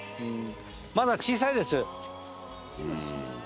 まだ小さいです。